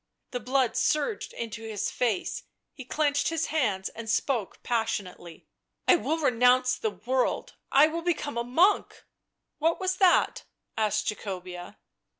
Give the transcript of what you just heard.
The blood surged into his face; he clenched his hands and spoke passionately. " I will renounce the world, I will become a monk. ..." f< What was that ?" asked Jacobea.